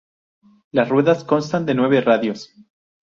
Las ruedas constan de nueve radios.